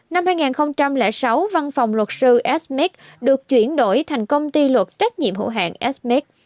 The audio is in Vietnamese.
năm hai nghìn sáu văn phòng luật sư s mec được chuyển đổi thành công ty luật trách nhiệm hữu hạn s mec